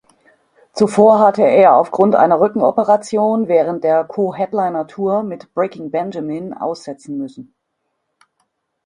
Zuvor hatte er aufgrund einer Rückenoperation während der Co-Headliner-Tour mit Breaking Benjamin aussetzen müssen.